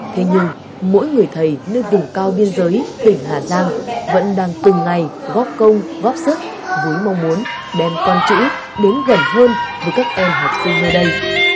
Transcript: thế nhưng mỗi người thầy nơi vùng cao biên giới tỉnh hà giang vẫn đang từng ngày góp công góp sức với mong muốn đem con chữ đến gần hơn với các em học sinh nơi đây